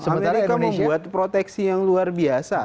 amerika membuat proteksi yang luar biasa